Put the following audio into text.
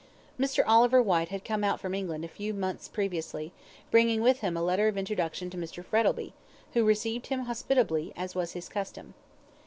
Mr. Oliver Whyte had come out from England a few months previously, bringing with him a letter of introduction to Mr. Frettlby, who received him hospitably, as was his custom.